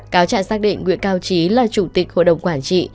cáo trạng xác định nguyễn cao trí là chủ tịch hội đồng quản trị